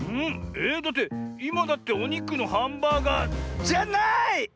えっだっていまだっておにくのハンバーガーじゃない！